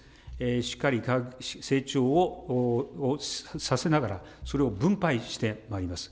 しっかり成長をさせながら、それを分配してまいります。